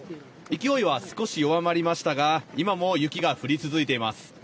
勢いは少し弱まりましたが、今も雪が降り続いています。